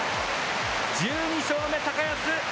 １２勝目、高安。